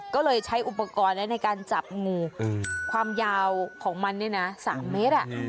ก็เลยใช้อุปกรณ์ในการจับงูความยาวของมันนี่นะ๓เมตร